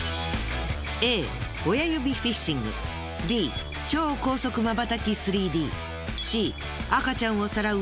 Ａ親指フィッシングＢ超高速瞬き３ＤＣ赤ちゃんをさらう